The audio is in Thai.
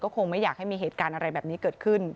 คงไม่อยากให้มีเหตุการณ์อะไรแบบนี้เกิดขึ้น